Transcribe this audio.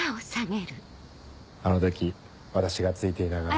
あの時私がついていながら。